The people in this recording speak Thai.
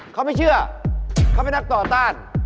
เขาไม่เชื่อเขาเป็นนักต่อต้าน